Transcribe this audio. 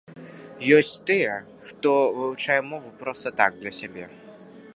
Ёсць і тыя, хто вывучае мову проста так, для сябе.